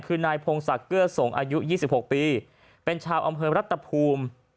คือนายพงศักดิ์เกื้อส่งอายุ๒๖ปีเป็นชาวอำเภอรัฐภูมิ